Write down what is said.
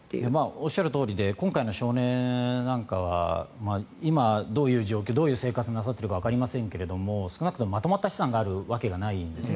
おっしゃるとおりで今回の少年なんか今どういう生活をなさっているのかわかりませんが、少なくともまとまった資産があるわけではないですよね